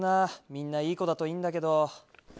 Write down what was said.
みんないい子だといいんだけど。